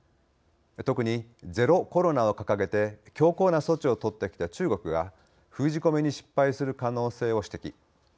特にゼロコロナを掲げて強硬な措置を取ってきた中国が封じ込めに失敗する可能性を指摘。